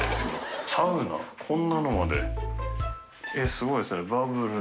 すごいですね。